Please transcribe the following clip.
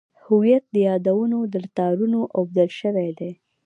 هویت د یادونو له تارونو اوبدل شوی دی.